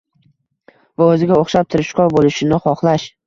va o‘ziga o‘xshab tirishqoq bo‘lishini xohlash